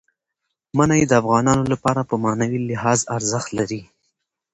منی د افغانانو لپاره په معنوي لحاظ ارزښت لري.